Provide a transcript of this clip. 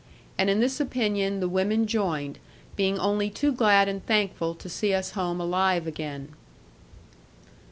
And in this opinion the women joined, being only too glad and thankful to see us home alive again.